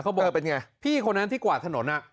บอกเป็นไงพี่คนนั้นที่กวาดถนน